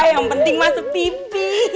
yang penting masuk tv